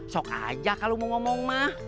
sok aja kalau mau ngomong mah